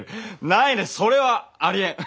ないないそれはありえん！